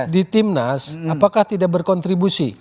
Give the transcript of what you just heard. di timnas apakah tidak berkontribusi